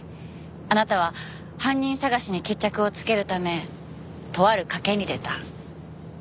あなたは犯人捜しに決着をつけるためとある賭けに出た。